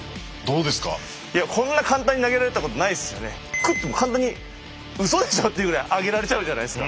クッて簡単にうそでしょっていうぐらいあげられちゃうじゃないですか。